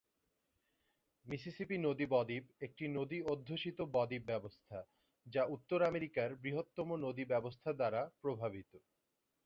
Mississippi নদী বদ্বীপ একটি নদী-অধ্যুষিত বদ্বীপ ব্যবস্থা, যা উত্তর আমেরিকার বৃহত্তম নদী ব্যবস্থা দ্বারা প্রভাবিত।